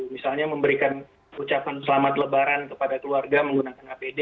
misalnya memberikan ucapan selamat lebaran kepada keluarga menggunakan apd